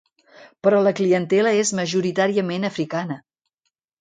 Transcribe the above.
Però la clientela és majoritàriament africana.